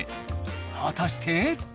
果たして。